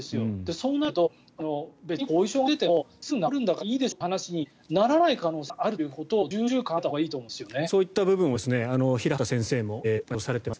そうなると、別に後遺症が出てもすぐ治るんだからいいでしょという話にならない可能性があるというのを重々考えたほうがいいと思うんですよね。